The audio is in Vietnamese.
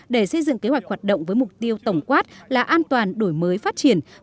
để xây dựng kế hoạch hoạt động với mục tiêu tổng quát là an toàn đổi mới phát triển